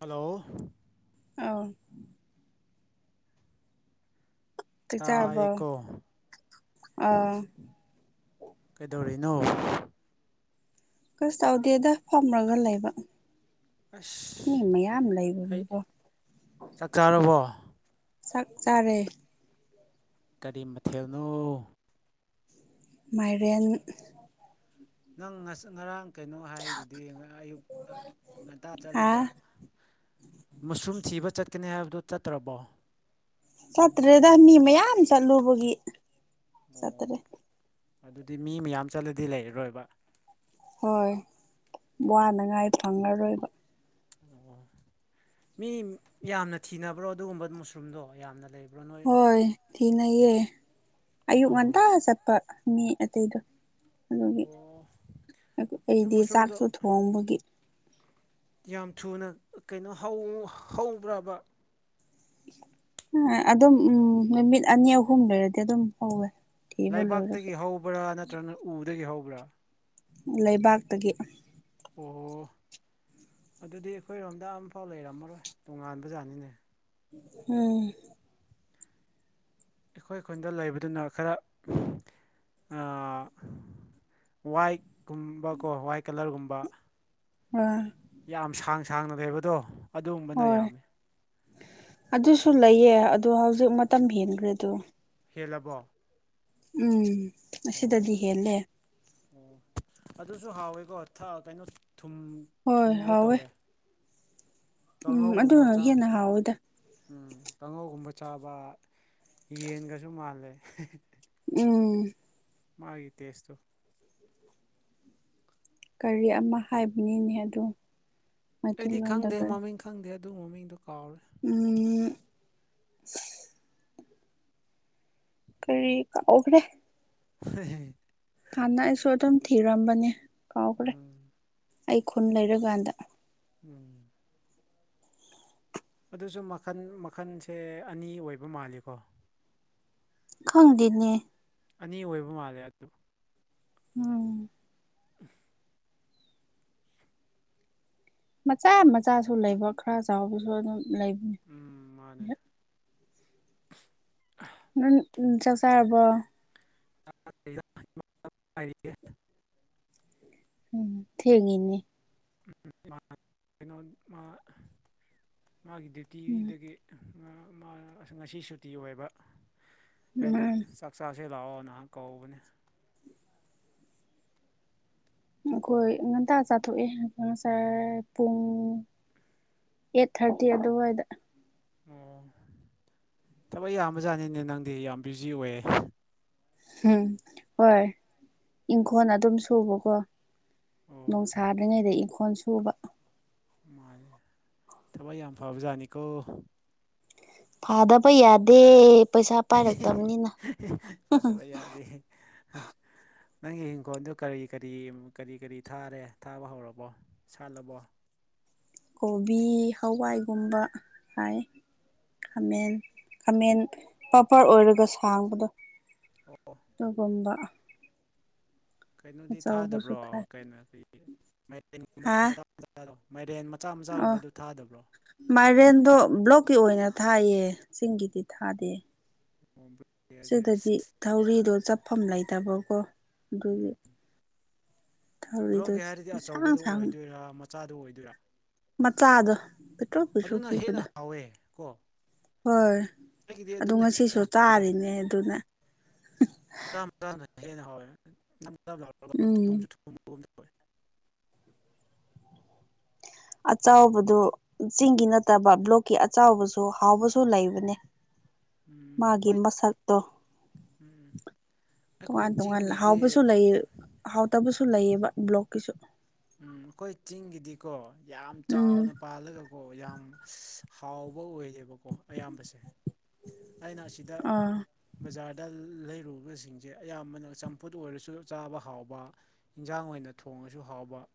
Hello ꯑꯧ ꯆꯛꯆꯥꯔꯕꯣ ꯇꯥꯏꯀꯣ ꯑꯧ ꯀꯩꯗꯧꯔꯤꯅꯣ ꯀꯩꯁꯨ ꯇꯧꯗꯦꯗ ꯐꯝꯔꯒ ꯂꯩꯕ ꯑꯁ ꯃꯤ ꯃꯌꯥꯝ ꯑꯩ ꯂꯩꯕꯒꯤꯀꯣ ꯆꯥꯛꯆꯥꯔꯕꯣ ꯆꯥꯛ ꯆꯥꯔꯦ ꯀꯔꯤ ꯃꯊꯦꯜꯅꯣ ꯃꯥꯏꯔꯦꯟ ꯅꯪ ꯉꯁꯛ ꯉꯔꯥꯡ ꯀꯩꯅꯣ ꯍꯥꯏꯗꯨꯗꯤ ꯉꯔꯥꯡ ꯑꯌꯨꯛ ꯉꯟꯇꯥ ꯍꯥ ꯆꯠꯂꯒ ꯃꯁꯨꯝꯔꯨꯝ ꯊꯤꯕ ꯆꯠꯀꯅꯤ ꯍꯥꯏꯕꯗꯨ ꯆꯠꯇ꯭ꯔꯕꯣ ꯆꯠꯇ꯭ꯔꯦꯗ ꯃꯤ ꯃꯌꯥꯝ ꯆꯠꯂꯨꯕꯒꯤ ꯆꯠꯇ꯭ꯔꯦ ꯑꯣ ꯑꯗꯨꯗꯤ ꯃꯤ ꯃꯌꯥꯝ ꯆꯠꯂꯗꯤ ꯂꯩꯔꯔꯣꯏꯕ ꯍꯣꯏ ꯋꯥꯅꯉꯥꯏ ꯐꯪꯉꯔꯣꯏꯕ ꯑꯣ ꯃꯤ ꯌꯥꯝꯅ ꯊꯤꯅꯕ꯭ꯔꯣ ꯑꯗꯨꯒꯨꯝꯕ ꯃꯨꯁꯔꯨꯝꯗꯣ ꯌꯥꯝꯅ ꯂꯩꯕ ꯍꯣꯏ ꯊꯤꯅꯩꯌꯦ ꯑꯌꯨꯛ ꯑꯧ ꯉꯟꯇꯥ ꯆꯠꯄ ꯃꯤ ꯑꯗꯨꯗꯣ ꯑꯗꯨꯒꯤ ꯑꯣ ꯑꯗꯨ ꯑꯩꯗꯤ ꯃꯨꯁꯔꯨꯝꯗꯣ ꯆꯥꯛꯁꯨ ꯊꯣꯡꯕꯒꯤ ꯌꯥꯝ ꯊꯨꯅ ꯀꯩꯅꯣ ꯍꯧ ꯍꯧꯕ꯭ꯔꯕ ꯑꯗꯨꯝ ꯎꯝ ꯅꯨꯃꯤꯠ ꯑꯅꯤ ꯑꯍꯨꯝ ꯂꯩꯔꯗꯤ ꯑꯗꯨꯝ ꯍꯧꯋꯦ ꯊꯤꯕ ꯂꯣꯏꯔꯁꯨ ꯂꯩꯕꯥꯛꯇꯒꯤ ꯍꯧꯕ꯭ꯔꯥ ꯅꯠꯇ꯭ꯔꯒꯅ ꯎꯗꯒꯤ ꯍꯧꯕ꯭ꯔꯥ ꯂꯩꯕꯥꯛꯇꯒꯤ ꯑꯣ ꯑꯗꯨꯗꯤ ꯑꯩꯈꯣꯏꯔꯣꯝꯗ ꯑꯝꯐꯥꯎ ꯂꯩꯔꯝꯃꯔꯣꯏ ꯇꯣꯉꯥꯟꯕ ꯖꯥꯠꯅꯤꯅꯦ ꯎꯝ ꯑꯩꯈꯣꯏ ꯈꯨꯟꯗ ꯂꯩꯕꯗꯨꯅ ꯈꯔ ꯑꯥ ꯋꯥꯏꯠ ꯀꯨꯝꯕꯀꯣ ꯋꯥꯏꯠ ꯀꯂꯔꯒꯨꯝꯕ ꯑꯥ ꯌꯥꯝ ꯁꯥꯡ ꯁꯥꯡꯅ ꯂꯩꯕꯗꯣ ꯑꯗꯨꯒꯨꯝꯕꯅ ꯍꯣꯏ ꯌꯥꯝꯃꯤ ꯑꯗꯨꯁꯨ ꯂꯩꯌꯦ ꯑꯗꯨ ꯍꯧꯖꯤꯛ ꯃꯇꯝ ꯍꯦꯟꯒ꯭ꯔꯦ ꯑꯗꯨ ꯍꯦꯜꯂꯕꯣ ꯎꯝ ꯑꯣ ꯑꯁꯤꯗꯗꯤ ꯍꯦꯜꯂꯦ ꯑꯣ ꯑꯗꯨꯁꯨ ꯍꯥꯎꯋꯦꯀꯣ ꯊꯥꯎ ꯀꯩꯅꯣ ꯊꯨꯝ ꯍꯣꯏ ꯍꯥꯎꯋꯦ ꯎꯝ ꯀꯥꯡꯍꯧꯒꯨꯝꯕ ꯑꯗꯨꯅ ꯍꯦꯟꯅ ꯆꯥꯔꯁꯨ ꯍꯥꯎꯋꯦꯗ ꯎꯝ ꯀꯥꯡꯉꯧꯒꯨꯝꯕ ꯆꯥꯕ ꯌꯦꯟꯒꯁꯨ ꯃꯥꯜꯂꯦ ꯎꯝ ꯃꯥꯒꯤ ꯇꯦꯁꯇꯣ ꯀꯔꯤ ꯑꯃ ꯍꯥꯏꯕꯅꯤꯅꯦ ꯑꯗꯣ ꯑꯩꯗꯤ ꯈꯪꯗꯦ ꯃꯃꯤꯡ ꯈꯪꯗꯦ ꯑꯗꯨ ꯃꯃꯤꯡꯗꯨ ꯀꯥꯎꯔꯦ ꯎꯝ ꯎꯝ ꯀꯔꯤ ꯀꯥꯎꯈ꯭ꯔꯦ [unintelligible] ꯍꯥꯟꯅ ꯑꯩꯁꯨ ꯑꯗꯨꯝ ꯊꯤꯔꯝꯕꯅꯦ ꯀꯥꯎꯈ꯭ꯔꯦ ꯎꯝ ꯑꯩ ꯈꯨꯟ ꯂꯩꯔꯀꯥꯟꯗ ꯎꯝ ꯑꯗꯨꯁꯨ ꯃꯈꯟ ꯃꯈꯟꯁꯦ ꯑꯅꯤ ꯑꯣꯏꯕ ꯃꯥꯜꯂꯤꯀꯣ ꯈꯪꯗꯦꯅꯦ ꯑꯅꯤ ꯑꯣꯏꯕ ꯃꯥꯜꯂꯦ ꯑꯗꯨ [unintelligible] ꯃꯆꯥ ꯃꯆꯥꯁꯨ ꯂꯩꯕ ꯈꯔ ꯆꯥꯎꯕꯁꯨ ꯑꯗꯨꯝ ꯂꯩꯕꯅꯤ ꯎꯝ ꯃꯥꯅꯦ ꯅꯪ ꯎꯝ ꯆꯥꯛ ꯆꯥꯔꯕꯣ [inaudible] ꯎꯝ ꯊꯦꯡꯉꯤꯅꯦ [inaudible] ꯀꯩꯅꯣ ꯃꯥ ꯃꯥꯒꯤ ꯎꯝ ꯗ꯭ꯌꯨꯇꯤꯗꯒꯤ ꯑꯍ ꯉꯥ ꯃꯥ ꯑꯁ ꯉꯁꯤ ꯁꯨꯇꯤ ꯑꯣꯏꯕ ꯑꯩꯅ ꯎꯝ ꯆꯥꯛ ꯆꯥꯁꯦ ꯂꯥꯛꯑꯣ ꯅꯍꯥꯛ ꯀꯧꯕꯅꯦ ꯑꯩꯈꯣꯏ ꯉꯟꯇꯥ ꯆꯥꯊꯣꯛꯑꯦ ꯉꯁꯥꯏ ꯄꯨꯡ ꯑꯩꯠ ꯊꯥꯔꯇꯤ ꯑꯗꯨꯋꯥꯏꯗ ꯑꯣ ꯊꯕꯛ ꯌꯥꯝꯕꯖꯥꯠꯅꯤꯅꯦ ꯅꯪꯗꯤ ꯌꯥꯝ ꯕ꯭ꯌꯨꯖꯤ ꯑꯣꯏꯌꯦ ꯍꯨꯝ ꯍꯣꯏ ꯏꯪꯈꯣꯜ ꯑꯗꯨꯝ ꯁꯨꯕꯀꯣ ꯑꯣ ꯅꯣꯡꯁꯥꯗ꯭ꯔꯤꯉꯩꯗ ꯏꯪꯈꯣꯜ ꯁꯨꯕ ꯃꯥꯅꯦ ꯊꯕꯛ ꯌꯥꯝ ꯐꯕꯖꯥꯠꯅꯤꯀꯣ ꯐꯥꯗꯕ ꯌꯥꯗꯦ ꯄꯩꯁꯥ ꯄꯥꯏꯔꯛꯇꯕꯅꯤꯅ ꯐꯗꯕ ꯌꯥꯗꯦ ꯅꯪꯒꯤ ꯏꯪꯈꯣꯜꯗꯨ ꯀꯔꯤ ꯀꯔꯤ ꯀꯔꯤ ꯀꯔꯤ ꯊꯥꯔꯦ ꯊꯥꯕ ꯍꯧꯔꯕꯣ ꯁꯥꯠꯂꯕꯣ ꯀꯣꯕꯤ ꯍꯋꯥꯏꯒꯨꯝꯕ ꯍꯥꯏꯌꯦ ꯫ ꯈꯥꯃꯦꯟ ꯈꯥꯃꯦꯟ ꯄ꯭ꯔꯣꯄꯔ ꯑꯣꯏꯔꯒ ꯁꯥꯡꯕꯗꯣ꯫ ꯑꯣ ꯇꯨꯒꯨꯝꯕ ꯫ ꯀꯩꯅꯣꯗꯤ ꯑꯆꯧꯕꯁꯨ ꯊꯥꯗꯕ꯭ꯔꯣ ꯊꯥꯏ ꯀꯩꯅꯣ ꯍꯥ [unintelligible] [unintelligible] ꯃꯥꯏꯔꯦꯟ ꯃꯆꯥ ꯑꯣ ꯃꯆꯥꯒꯨꯝꯕꯗꯨ ꯊꯥꯗꯕ꯭ꯔꯣ꯫ ꯃꯥꯏꯔꯦꯟꯗꯣ ꯕ꯭ꯂꯣꯛꯀꯤ ꯑꯣꯏꯅ ꯊꯥꯏꯌꯦ ꯆꯤꯡꯒꯤꯗꯤ ꯊꯥꯗꯦ꯫ ꯑꯣ ꯕ꯭ꯂꯣꯀꯤꯌꯥꯁꯦ ꯁꯤꯗꯗꯤ ꯊꯧꯔꯤꯗꯣ ꯆꯞꯐꯝ ꯂꯩꯇꯕꯀꯣ ꯑꯗꯨꯒꯤ ꯫ ꯕ꯭ꯂꯣꯛꯀꯤ ꯍꯥꯏꯔꯗꯤ ꯁꯥꯡ ꯑꯆꯧꯕꯗꯨ ꯁꯥꯡ ꯑꯣꯏꯗꯣꯏꯔꯥ ꯃꯆꯥꯗꯨ ꯑꯣꯏꯗꯣꯏꯔꯥ꯫ ꯃꯆꯥꯗꯣ ꯄꯤꯇ꯭ꯔꯨꯛ ꯄꯨꯇ꯭ꯔꯨꯛ ꯑꯗꯨꯅ ꯄꯤꯛꯕꯗꯣ꯫ ꯍꯦꯟꯅ ꯍꯥꯎꯋꯦ ꯀꯣ ꯍꯣꯏ ꯑꯩꯒꯤꯗꯤ ꯑꯗꯨ ꯑꯗꯨꯅ ꯉꯁꯤꯁꯨ ꯍꯦꯟꯅ ꯍꯥꯎꯋꯦꯗ ꯆꯥꯔꯤꯅꯦ ꯑꯗꯨꯅ꯫ ꯎꯝ [unintelligible] ꯑꯆꯥꯎꯕꯗꯨ ꯫ ꯆꯤꯡꯒꯤ ꯅꯠꯇꯕ ꯕ꯭ꯂꯣꯛꯀꯤ ꯑꯆꯥꯎꯕꯁꯨ ꯍꯥꯎꯕꯁꯨ ꯂꯩꯕꯅꯦ꯫ ꯎꯝ ꯃꯥꯒꯤ ꯑꯩꯈꯣꯏ ꯃꯁꯛꯇꯣ꯫ ꯎꯝ ꯑꯩꯈꯣꯏ ꯇꯣꯉꯥꯟ ꯇꯣꯉꯥꯟ ꯆꯤꯡꯒꯤꯗꯤ ꯍꯥꯎꯕꯁꯨ ꯂꯩ ꯍꯥꯎꯇꯕꯁꯨ ꯂꯩꯌꯦꯕ ꯕ꯭ꯂꯣꯛꯀꯤꯁꯨ꯫ ꯎꯝ ꯑꯩꯈꯣꯏ ꯆꯤꯡꯒꯤꯗꯤꯀꯣ ꯌꯥꯝ ꯎꯝ ꯆꯥꯎꯅ ꯄꯥꯜꯂꯒ꯫ ꯀꯣ ꯌꯥꯝ ꯍꯥꯎꯕ ꯑꯣꯏꯌꯦꯕꯀꯣ ꯑꯌꯥꯝꯕꯁꯦ꯫ ꯑꯩꯅ ꯑꯁꯤꯗ ꯑꯥ ꯕꯖꯥꯔꯗ ꯂꯩꯔꯨꯕꯁꯤꯡꯖꯦ ꯑꯌꯥꯝꯕꯅ ꯆꯝꯐꯨꯠ ꯑꯣꯏꯔꯁꯨ ꯆꯥꯕ ꯍꯥꯎꯕ ꯏꯟꯖꯥꯡ ꯑꯣꯏꯅ ꯊꯣꯡꯉꯁꯨ ꯍꯥꯎꯕ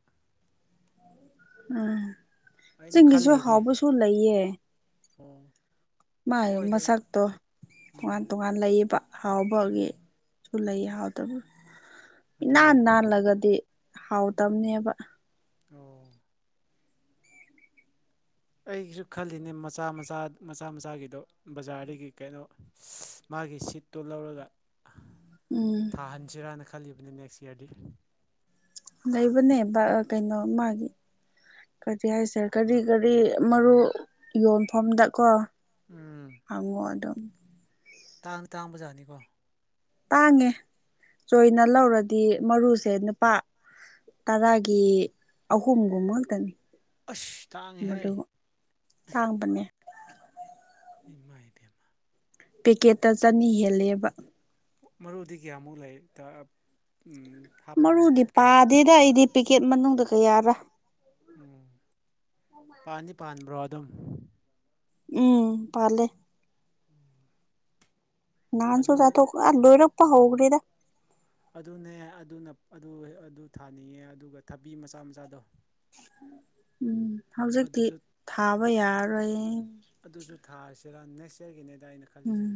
ꯎꯝ ꯑꯩꯅ ꯆꯤꯡꯒꯤꯁꯨ ꯍꯥꯎꯕꯁꯨ ꯂꯩꯌꯦ꯫ ꯎꯝ ꯃꯥꯒꯤ ꯃꯁꯛꯇꯣ ꯇꯣꯉꯥꯟ ꯎꯝ ꯇꯣꯉꯥꯟ ꯂꯩꯌꯦꯕ ꯍꯥꯎꯕꯒꯤ꯫ ꯎꯝ ꯁꯨ ꯂꯩꯌꯦ ꯍꯥꯎꯇꯕ ꯑꯗꯨꯅꯦ ꯏꯅꯥꯟ ꯅꯥꯜꯂꯒꯗꯤ ꯍꯥꯎꯇꯝꯅꯦꯕ꯫ ꯑꯣ ꯑꯩꯒꯤꯁꯨ ꯈꯜꯂꯤꯅꯦ ꯃꯆꯥ ꯃꯆꯥ ꯃꯆꯥ ꯃꯆꯥꯒꯤꯗꯣ ꯕꯖꯥꯔꯗꯒꯤ ꯀꯩꯅꯣ꯫ ꯃꯥꯒꯤ ꯁꯤꯠꯇꯨ ꯂꯧꯔꯒ꯫ ꯎꯝ ꯊꯥꯍꯟꯁꯤꯔꯥꯅ ꯈꯜꯂꯤꯕꯅꯤ ꯅꯦꯛꯁ ꯏꯌꯔꯗꯤ ꯫ ꯂꯩꯕꯅꯦ ꯕ ꯀꯩꯅꯣ ꯃꯥꯒꯤ ꯀꯗꯤ ꯍꯥꯏꯁꯦꯔꯥ ꯀꯔꯤ ꯀꯔꯤ ꯃꯔꯨ ꯌꯣꯟꯐꯝꯗ ꯀꯣ ꯎꯝ ꯍꯪꯉꯣ ꯑꯗꯨꯝ꯫ ꯇꯥꯡ ꯇꯥꯡꯕꯖꯥꯠꯅꯤꯀꯣ꯫ ꯇꯥꯡꯉꯦ ꯆꯣꯏꯅ ꯂꯧꯔꯗꯤ ꯃꯔꯨꯁꯦ ꯅꯨꯄꯥ ꯇꯔꯥꯒꯤ ꯑꯍꯨꯝꯒꯨꯝꯕ ꯉꯛꯇꯅꯤ ꯑꯁ ꯇꯥꯡꯉꯦꯍꯩ ꯇꯥꯡꯕꯅꯦ꯫ ꯏꯃꯥꯏ ꯄꯦꯝꯃꯥ ꯫ ꯄꯦꯀꯦꯠꯇ ꯆꯅꯤ ꯍꯦꯜꯂꯦꯕ꯫ ꯃꯔꯨꯗꯤ ꯀꯌꯥꯃꯨꯛ ꯂꯩ ꯇꯥ ꯎꯝ ꯃꯔꯨꯗꯤ ꯄꯥꯗꯦꯗ ꯑꯩꯗꯤ ꯄꯦꯛꯀꯦꯠ ꯃꯅꯨꯡꯗ ꯀꯌꯥꯔꯥ ꯎꯝ ꯄꯥꯟꯗꯤ ꯄꯥꯟꯕ꯭ꯔꯣ ꯑꯗꯨꯝ꯫ ꯎꯝ ꯄꯥꯜꯂꯦ꯫ ꯎꯝ ꯅꯥꯟꯁꯨ [unintelligible] ꯑꯥ ꯂꯣꯏꯔꯛꯄ ꯍꯣ꯭ꯔꯤꯗ ꯑꯗꯨꯅꯦ ꯑꯗꯨꯅ ꯑꯗꯨ ꯑꯗꯨ ꯊꯥꯅꯤꯡꯉꯦ ꯑꯗꯨꯒ ꯊꯕꯤ ꯃꯆꯥ ꯃꯆꯥꯗꯣ ꯎꯝ ꯍꯧꯖꯤꯛꯇꯤ ꯑꯗꯨꯁꯨ ꯊꯥꯕ ꯌꯥꯔꯔꯣꯏꯌꯦ ꯑꯗꯨꯁꯨ ꯊꯥꯔꯁꯤꯔꯥ ꯅꯦꯛꯁꯌꯔꯒꯤꯅꯦꯗ ꯑꯩꯅ ꯎꯝ ꯈꯜꯂꯤꯁꯦ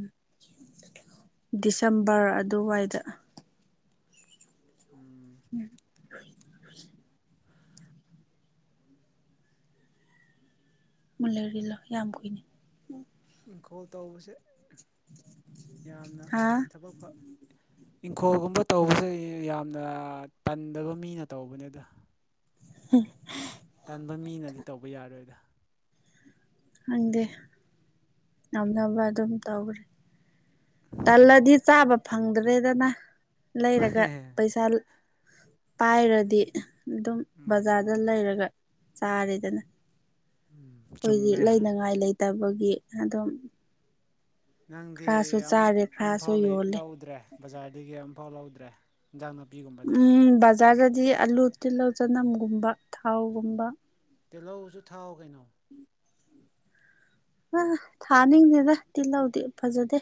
ꯗꯤꯁꯦꯝꯕꯔ ꯑꯗꯨꯋꯥꯏꯗ ꯎꯝ [unintelligible] ꯌꯥꯝ ꯀꯨꯏꯅꯤ ꯏꯪꯈꯣꯜ ꯇꯧꯕꯁꯦ ꯌꯥꯝꯅ ꯍꯥ ꯊꯕꯛ ꯐꯥ ꯏꯪꯈꯣꯜꯒꯨꯝꯕ ꯇꯧꯕꯁꯦ ꯑꯩ ꯌꯥꯝꯅ ꯇꯟꯗꯕ ꯃꯤꯅ ꯇꯧꯕꯅꯦꯗ ꯎꯝ ꯇꯟꯕ ꯃꯤꯅꯗꯤ ꯇꯧꯕ ꯌꯥꯔꯣꯏꯗ ꯈꯪꯗꯦ ꯉꯝꯅꯕ ꯑꯗꯨꯝ ꯇꯧꯈ꯭ꯔꯦ ꯇꯜꯂꯗꯤ ꯆꯥꯕ ꯐꯪꯗ꯭ꯔꯦꯗꯅ ꯂꯩꯔꯒ ꯄꯩꯁꯥ ꯄꯥꯏꯔꯗꯤ ꯑꯗꯨꯝ ꯃꯥꯅꯦ ꯕꯖꯥꯔꯗ ꯃꯥꯅꯦ ꯂꯩꯔꯒ ꯆꯥꯔꯦꯗꯅ ꯎꯝ ꯑꯩꯈꯣꯏꯗꯤ ꯆꯨꯝꯃꯦ ꯂꯩꯅꯉꯥꯏ ꯂꯩꯇꯕꯒꯤ ꯑꯗꯨꯝ ꯅꯪꯗꯤ ꯈꯔꯁꯨ ꯑꯝ ꯆꯥꯔꯦ ꯈꯔꯁꯨ ꯑꯝꯐꯥꯎ ꯂꯩ ꯌꯣꯜꯂꯦ ꯂꯧꯗ꯭ꯔꯦ ꯕꯖꯥꯔꯗꯒꯤ ꯑꯃꯨꯛꯐꯥꯎ ꯂꯧꯗ꯭ꯔꯦ ꯏꯟꯖꯥꯡ ꯅꯥꯄꯤꯒꯨꯝꯕꯗꯤ ꯎꯝ ꯕꯖꯥꯔꯗꯗꯤ ꯑꯂꯨ ꯇꯤꯜꯍꯧ ꯆꯅꯝꯒꯨꯝꯕ ꯊꯥꯎꯒꯨꯝꯕ ꯇꯤꯜꯍꯧꯁꯨ ꯊꯥꯎ ꯀꯩꯅꯣ ꯑꯥ ꯊꯥꯅꯤꯡꯗꯦꯗ ꯇꯤꯜꯍꯧꯗꯤ ꯐꯖꯗꯦ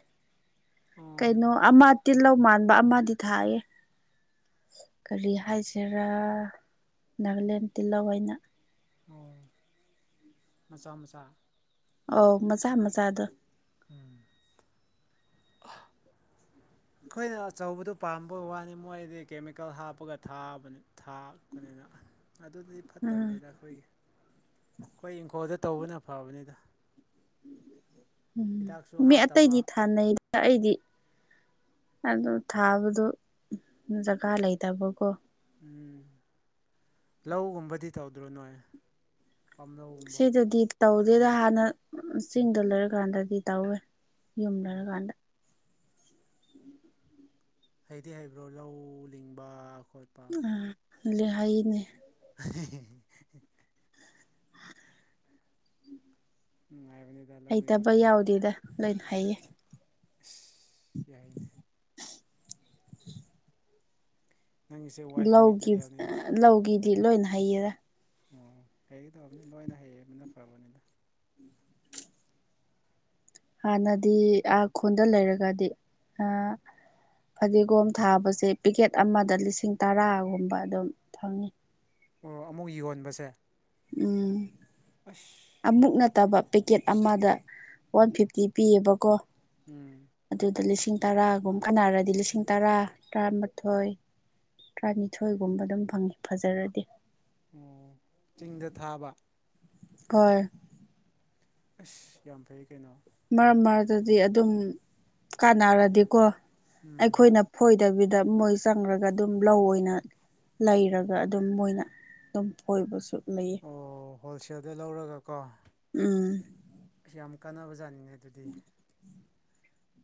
ꯑꯣ ꯀꯩꯅꯣ ꯑꯃ ꯇꯤꯜꯍꯧ ꯃꯥꯟꯕ ꯑꯃꯗꯤ ꯊꯥꯏꯌꯦ ꯀꯔꯤ ꯍꯥꯏꯁꯦꯔꯥ ꯅꯥꯒꯥꯂꯦꯟ ꯇꯤꯜꯍꯧ ꯍꯥꯏꯅ ꯑꯣ ꯃꯆꯥ ꯃꯆꯥ ꯑꯧ ꯃꯆꯥ ꯃꯆꯥꯗꯣ ꯎꯝ ꯑꯍ ꯑꯩꯈꯣꯏꯅ ꯑꯆꯧꯕꯗꯨ ꯄꯥꯝꯕ ꯋꯥꯅꯤ ꯃꯣꯏꯗꯤ ꯀꯦꯃꯤꯀꯦꯜ ꯍꯥꯞꯄꯒ ꯊꯥꯕꯅꯤ ꯊꯥ ꯀꯨꯟꯅ ꯑꯗꯨꯗꯤ ꯎꯝ ꯐꯠꯇꯕꯅꯤꯗ ꯑꯩꯈꯣꯏꯒꯤ ꯑꯩꯈꯣꯏ ꯏꯪꯈꯣꯜꯗ ꯇꯧꯕꯅ ꯐꯕꯅꯤꯗ ꯎꯝ ꯍꯤꯗꯥꯛꯁꯨ ꯃꯤ ꯍꯥꯞꯇꯕ ꯑꯇꯩꯗꯤ ꯊꯥꯅꯩꯗ ꯑꯩꯗꯤ ꯑꯗꯨ ꯊꯥꯕꯗꯣ ꯖꯒꯥ ꯂꯩꯇꯕꯀꯣ ꯎꯝ ꯂꯧꯒꯨꯝꯕꯗꯤ ꯇꯧꯗ꯭ꯔꯣ ꯅꯣꯏ ꯄꯥꯝꯂꯧꯒꯨꯝꯕ ꯁꯤꯗꯗꯤ ꯇꯧꯗꯦꯗ ꯍꯥꯟꯅ ꯆꯤꯡꯗ ꯂꯩꯔꯀꯥꯟꯗꯗꯤ ꯇꯧꯋꯦ ꯌꯨꯝ ꯂꯩꯔ ꯀꯥꯟꯗ ꯍꯩꯗꯤ ꯍꯥꯏꯕ꯭ꯔꯣ ꯂꯧ ꯂꯤꯡꯕ ꯈꯣꯠ ꯑꯥ ꯂꯤꯡ ꯍꯩꯅꯦ [inaudible] ꯎꯝ ꯍꯥꯏꯕꯅꯤ ꯍꯩꯇꯕ ꯌꯥꯎꯗꯦꯗ ꯂꯣꯏꯅ ꯍꯩꯌꯦ ꯏꯁ ꯌꯥꯏꯅꯦ ꯅꯪꯒꯤꯁꯦ ꯋꯥꯏꯐ ꯂꯧꯒꯤ ꯃꯦꯇꯔꯤꯌꯦꯜꯅꯤꯅꯦ ꯑꯥ ꯂꯧꯒꯤꯗꯤ ꯂꯣꯏꯅ ꯍꯩꯌꯦꯗ ꯑꯣ ꯍꯩꯒ ꯇꯧꯕꯅꯤ ꯂꯣꯏꯅ ꯍꯩꯕꯅ ꯐꯕꯅꯤꯗ ꯍꯥꯟꯅꯗꯤ ꯑꯥ ꯈꯨꯟꯗ ꯂꯩꯔꯒꯗꯤ ꯑꯥ ꯐꯗꯤꯒꯣꯝ ꯊꯥꯕꯁꯦ ꯄꯤꯀꯦꯠ ꯑꯃꯗ ꯂꯤꯁꯤꯡ ꯇꯔꯥꯒꯨꯝꯕ ꯑꯗꯨꯝ ꯐꯪꯉꯤ ꯑꯣ ꯑꯃꯨꯛ ꯌꯣꯟꯕꯁꯦ ꯎꯝ ꯑꯁ ꯑꯃꯨꯛ ꯅꯠꯇꯕ ꯄꯦꯀꯦꯠ ꯑꯃꯗ ꯋꯥꯟ ꯐꯤꯐꯇꯤ ꯄꯤꯌꯦꯕꯀꯣ ꯎꯝ ꯑꯗꯨꯗ ꯂꯤꯁꯤꯡ ꯇꯔꯥꯒꯨꯝ ꯈꯟꯅꯔꯗꯤ ꯂꯤꯁꯤꯡ ꯇꯔꯥ ꯇꯔꯥꯃꯥꯊꯣꯏ ꯇꯔꯥꯅꯤꯊꯣꯏꯒꯨꯝꯕ ꯑꯗꯨꯝ ꯐꯪꯉꯤ ꯐꯖꯔꯗꯤ ꯑꯣ ꯆꯤꯡꯗ ꯊꯥꯕ ꯍꯣꯏ ꯑꯁ ꯌꯥꯝ ꯐꯩ ꯀꯩꯅꯣ ꯃꯔꯛ ꯃꯔꯛ ꯗꯗꯤ ꯑꯗꯨꯝ ꯀꯥꯟꯅꯔꯗꯤꯀꯣ ꯎꯝ ꯑꯩꯈꯣꯏꯅ ꯐꯣꯏꯗꯕꯤꯗ ꯃꯣꯏ ꯆꯪꯔꯒ ꯑꯗꯨꯝ ꯂꯧ ꯑꯣꯏꯅ ꯂꯩꯔꯒ ꯑꯗꯨꯝ ꯃꯣꯏꯅ ꯑꯗꯨꯝ ꯐꯣꯏꯕꯁꯨ ꯂꯩꯌꯦ ꯑꯣ ꯍꯣꯜꯁꯦꯜꯗꯩ ꯂꯧꯔꯒ ꯀꯣ ꯎꯝ ꯑꯁ ꯌꯥꯝ ꯀꯥꯟꯅꯕ ꯖꯥꯠꯅꯤꯅꯦ ꯑꯗꯨꯗꯤ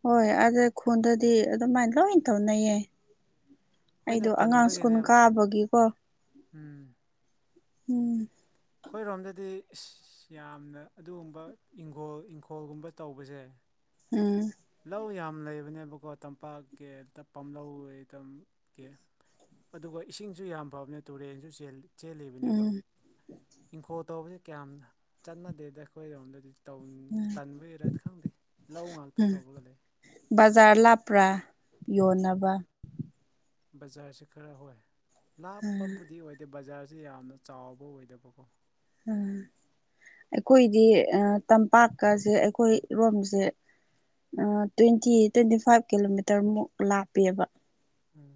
ꯍꯣꯏ ꯑꯥꯗ ꯈꯨꯟꯗꯗꯤ ꯑꯗꯨꯃꯥꯏꯅ ꯂꯣꯏ ꯇꯧꯅꯩꯌꯦ ꯑꯩꯈꯣꯏꯅ ꯑꯩꯗꯣ ꯑꯉꯥꯡ ꯁ꯭ꯀꯨꯟ ꯇꯟꯕꯒꯤꯅꯦꯕ ꯀꯥꯕꯒꯤꯀꯣ ꯎꯝ ꯎꯝ ꯑꯩꯈꯣꯏꯔꯣꯝꯗꯗꯤ ꯏꯁ ꯌꯥꯝꯅ ꯑꯗꯨꯒꯨꯝꯕ ꯏꯪꯒꯣꯜ ꯏꯪꯈꯣꯜꯒꯨꯝꯕ ꯇꯧꯕꯁꯦ ꯎꯝ ꯂꯧ ꯌꯥꯝ ꯂꯩꯕꯅꯦꯕꯀꯣ ꯇꯝꯄꯥꯛꯀꯤ ꯄꯥꯝ ꯂꯧ ꯇꯝꯀꯤ ꯑꯗꯨꯒ ꯏꯁꯤꯡꯁꯨ ꯌꯥꯝ ꯐꯕꯅꯦ ꯇꯨꯔꯦꯟꯁꯨ ꯆꯦꯜꯂꯤ ꯆꯦꯜꯂꯤꯕꯅꯦꯕ ꯎꯝ ꯏꯪꯈꯣꯜ ꯇꯧꯕꯁꯦ ꯀꯌꯥꯝ ꯆꯠꯅꯗꯦꯗ ꯑꯩꯈꯣꯏꯔꯣꯝꯗꯗꯤ ꯇꯧ ꯇꯟꯕꯩꯔ ꯈꯪꯗꯦ ꯂꯧ ꯉꯥꯛꯇ ꯎꯝ ꯇꯧꯔꯒ ꯂꯩ ꯕꯖꯥꯔ ꯂꯥꯞꯄ꯭ꯔꯥ ꯌꯣꯟꯅꯕ ꯕꯖꯥꯔꯁꯦ ꯈꯔ ꯍꯣꯏ ꯂꯥꯞꯄꯕꯨꯗꯤ ꯑꯣꯏꯗꯦ ꯕꯖꯥꯔꯁꯦ ꯌꯥꯝꯅ ꯆꯥꯎꯕ ꯑꯣꯏꯗꯕꯀꯣ ꯑꯥ ꯑꯩꯈꯣꯏꯗꯤ ꯑꯥ ꯇꯝꯄꯥꯛꯀꯁꯦ ꯑꯩꯈꯣꯏꯔꯣꯝꯁꯦ ꯇ꯭ꯋꯦꯟꯇꯤ ꯇ꯭ꯋꯦꯟꯇꯤ ꯐꯥꯏꯚ ꯀꯤꯂꯣꯃꯤꯇꯔꯃꯨꯛ ꯂꯥꯛꯄꯤꯕ ꯎꯝ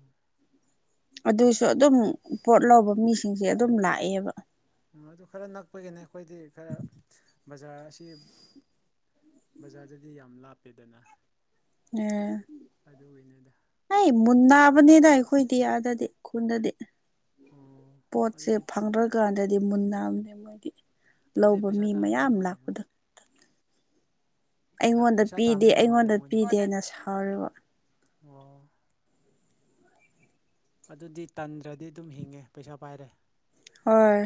ꯑꯗꯨꯁꯨ ꯑꯗꯨꯝ ꯄꯣꯠ ꯂꯧꯕ ꯃꯤꯁꯤꯡꯁꯦ ꯑꯗꯨꯝ ꯂꯥꯛꯑꯦꯕ ꯑꯗꯨ ꯈꯔ ꯅꯛꯄꯒꯤꯅꯦ ꯑꯩꯈꯣꯏꯗꯤ ꯈꯔ ꯕꯖꯥꯔ ꯑꯁꯤ ꯕꯖꯥꯔꯗꯗꯤ ꯌꯥꯝ ꯂꯥꯞꯄꯦꯗꯅ [unintelligible] ꯑꯗꯨ ꯑꯣꯏꯅꯤꯗ ꯑꯩ ꯃꯨꯟꯅꯥꯕꯅꯤꯗ ꯑꯩꯈꯣꯏꯗꯤ ꯑꯥꯗꯗꯤ ꯈꯨꯟꯗꯗꯤ ꯑꯣ ꯄꯣꯠꯁꯦ ꯑꯗꯨꯗꯤ ꯐꯪꯗ꯭ꯔꯀꯥꯟꯗꯗꯤ ꯃꯨꯟꯅꯝꯅꯦ ꯃꯣꯏꯗꯤ ꯑꯗꯨꯗꯤ ꯂꯧꯕ ꯄꯩꯁꯥ ꯃꯤ ꯇꯥꯟꯕꯁꯦ ꯃꯌꯥꯝ ꯂꯥꯛꯄꯗꯣ ꯅꯨꯡꯉꯥꯏꯔꯝꯒꯅꯤ ꯅꯠꯇ꯭ꯔꯥ ꯑꯩꯉꯣꯟꯗ ꯄꯩꯁꯥ ꯄꯤꯗꯦ ꯇꯥꯝꯕꯁꯦ ꯑꯩꯉꯣꯟꯗ ꯅꯨꯡꯉꯥꯏꯔꯝꯒꯅꯤ ꯑꯣ ꯄꯤꯗꯦꯅ ꯁꯥꯎꯔꯤꯕ ꯑꯗꯨꯗꯤ ꯇꯟꯗ꯭ꯔꯗꯤ ꯑꯗꯨꯝ ꯍꯤꯡꯉꯦ ꯄꯩꯁꯥ ꯄꯥꯏꯔꯦ ꯍꯣꯏ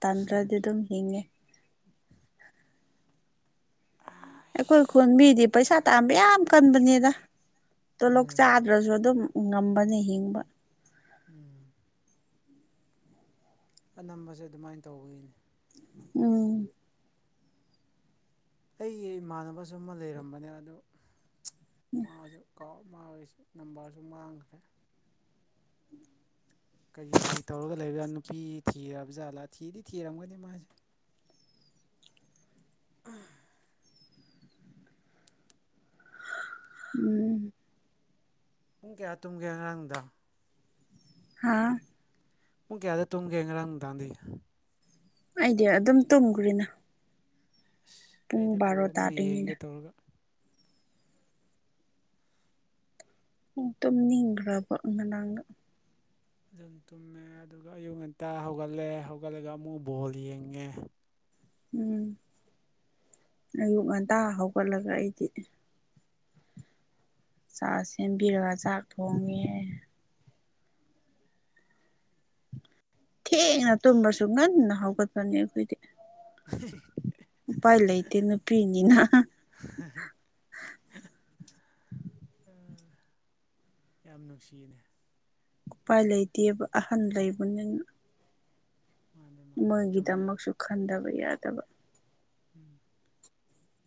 ꯇꯟꯗ꯭ꯔꯗꯤ ꯑꯗꯨꯝ ꯍꯤꯡꯉꯦ [unintelligible] ꯑꯩꯈꯣꯏ ꯈꯨꯟ ꯃꯤꯗꯤ ꯄꯩꯁꯥ ꯇꯥꯥꯟꯕ ꯌꯥꯝ ꯀꯟꯕꯅꯦꯗ ꯇꯣꯂꯣꯛ ꯎꯝ ꯆꯥꯗ꯭ꯔꯁꯨ ꯑꯗꯨꯝ ꯉꯝꯕꯅꯦ ꯍꯤꯡꯕ ꯎꯝ ꯑꯅꯝꯕꯁꯦ ꯑꯗꯨꯃꯥꯏꯅ ꯇꯧꯕꯒꯤꯅꯦ ꯎꯝ ꯑꯩꯒꯤ ꯏꯃꯥꯟꯅꯕꯁꯨ ꯑꯃ ꯂꯩꯔꯝꯕꯅꯦ ꯑꯗꯨ ꯃꯥꯁꯨ ꯀꯥꯎ ꯃꯥꯒꯤꯁꯨ ꯅꯝꯕꯔꯁꯨ ꯃꯥꯡꯈ꯭ꯔꯦ ꯀꯔꯤ ꯀꯔꯤ ꯇꯧꯔꯒ ꯂꯩꯕꯖꯥꯠ ꯅꯨꯄꯤ ꯊꯤꯔꯕ ꯖꯥꯠꯂꯥ ꯊꯤꯗꯤ ꯊꯤꯔꯝꯒꯅꯤ ꯃꯥꯁꯦ ꯎꯝꯐ ꯎꯝ ꯄꯨꯡ ꯀꯌꯥ ꯇꯨꯝꯒꯦ ꯉꯔꯥꯡ ꯅꯨꯡꯗꯥꯡ ꯍꯥꯥ ꯄꯨꯡ ꯀꯌꯥꯗ ꯇꯨꯝꯒꯦ ꯉ꯭ꯔꯥꯡ ꯅꯨꯡꯗꯥꯡꯗꯤ ꯑꯩꯗꯤ ꯑꯗꯨꯝ ꯇꯨꯝꯒ꯭ꯔꯦꯅ ꯑꯁ ꯑꯩꯗꯤ ꯕꯣꯜ ꯑꯃꯨꯛ ꯌꯦꯡꯒꯦ ꯇꯥꯗ꯭ꯔꯤꯉꯩꯗ ꯇꯧꯔꯒ ꯎꯝ ꯇꯨꯝꯅꯤꯡꯈ꯭ꯔꯕ ꯉꯔꯥꯡꯉ ꯑꯗꯨꯝ ꯇꯨꯝꯃꯦ ꯑꯗꯨꯒ ꯑꯌꯨꯛ ꯉꯟꯇꯥ ꯍꯧꯒꯠꯂꯦ ꯍꯧꯒꯠꯂꯒ ꯑꯃꯨꯛꯀ ꯕꯣꯜ ꯌꯦꯡꯉꯦ ꯎꯝ ꯑꯌꯨꯛ ꯉꯟꯇꯥ ꯍꯧꯒꯠꯂꯒ ꯑꯩꯗꯤ ꯆꯥ ꯁꯦꯝꯕꯤꯔꯒ ꯆꯥꯛ ꯊꯣꯡꯉꯦ ꯊꯦꯡꯅ ꯇꯨꯝꯕꯁꯨ ꯉꯟꯅ ꯍꯧꯒꯠꯄꯅꯦ ꯑꯩꯈꯣꯏꯗꯤ [unintelligible] ꯎꯄꯥꯏ ꯂꯩꯇꯦ ꯅꯨꯄꯤꯅꯤꯅ [unintelligible] [unintelligible] ꯑ ꯌꯥꯝ ꯅꯨꯡꯁꯤꯌꯦꯅꯦ ꯎꯄꯥꯏ ꯂꯩꯇꯦꯕ ꯑꯍꯟ ꯂꯩꯕꯅꯤꯅ ꯃꯥꯅꯦ ꯃꯥꯅꯦ ꯆꯨꯝꯃꯦ ꯃꯣꯏꯒꯤꯗꯃꯛꯁꯨ ꯈꯟꯗꯕ ꯌꯥꯗꯕ ꯎꯝ